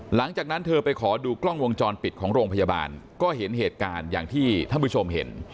หลังจากนั้นเธอไปขอดูกล้องวงจรปิดของโรงพยาบาลก็เห็นเหตุการณ์อย่างที่ท่านผู้ชมเห็น